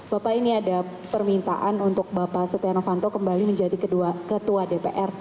bapak ini ada permintaan untuk bapak setia novanto kembali menjadi ketua dpr